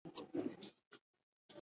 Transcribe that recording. • وفادار ملګری د ژوند ملګری دی.